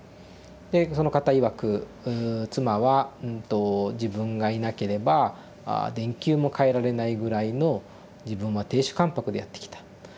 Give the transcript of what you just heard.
でその方いわく「妻は自分がいなければ電球も替えられないぐらいの自分は亭主関白でやってきた。